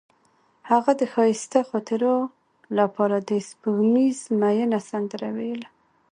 هغې د ښایسته خاطرو لپاره د سپوږمیز مینه سندره ویله.